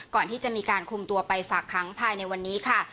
ก่อนที่จะมีการคุมตัวไปฝากค้างภายในวันนี้ค่ะ